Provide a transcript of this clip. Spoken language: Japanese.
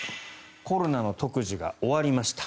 コロナの特需が終わりました。